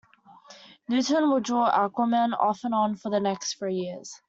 Newton would draw Aquaman off and on for the next three years.